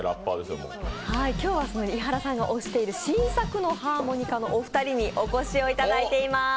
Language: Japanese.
今日はその伊原さんが推している新作のハーモニカのお二人にお越しいただいています。